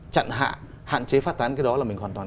chặn hạn chế phát tán cái đó là mình hoàn toàn